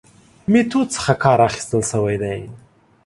میتود څخه کار اخستل شوی دی.